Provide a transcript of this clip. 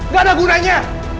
gak ada gunanya